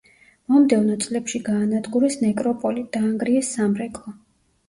მომდევნო წლებში გაანადგურეს ნეკროპოლი, დაანგრიეს სამრეკლო.